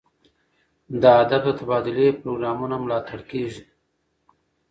د ادب د تبادلې پروګرامونو ملاتړ کیږي.